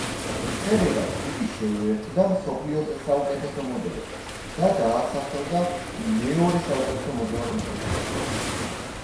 შედეგად, იგი შეუერთდა მსოფლიოს საუკეთესო მოდელებს და დაასახელდა მეორე საუკეთესო მოდელად მსოფლიოში.